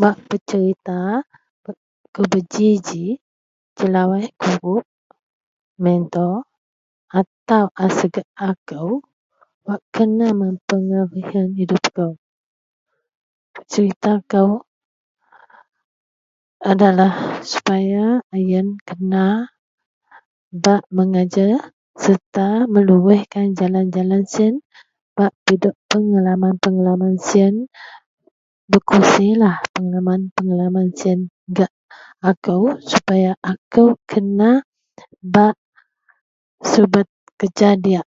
Bak pecerita kubaji ji jelawaih guruk, mentor atau a segak akou wak kena mempengaruhi hidupkou. Ceritakou adalah sepaya ayen kena bak mengajer serta meluwaihkan jalan siyen bak pidok pengalaman - pengalaman siyen, berkongsi pengalaman - pengalaman siyen gak akou sepaya akou kena bak subet kerja diyak